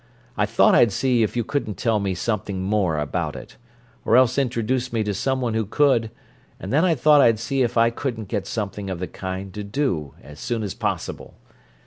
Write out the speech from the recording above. I thought I'd see if you couldn't tell me something more about it, or else introduce me to someone who could, and then I thought I'd see if I couldn't get something of the kind to do as soon as possible.